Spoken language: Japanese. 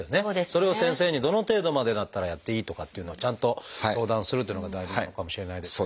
それを先生にどの程度までだったらやっていいとかっていうのをちゃんと相談するっていうのが大事なのかもしれないです。